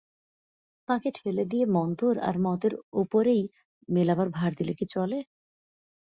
তাঁকে ঠেলে দিয়ে মন্তর আর মতের উপরেই মেলাবার ভার দিলে চলে কি?